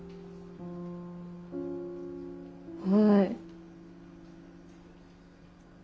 はい。